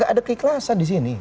ada keikhlasan di sini